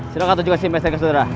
silahkan tujuan sim stnk sedara